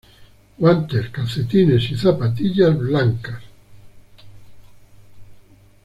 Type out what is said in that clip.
Guantes, calcetines y zapatillas blancas.